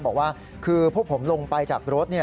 บอกว่าคือพวกผมลงไปจากรถ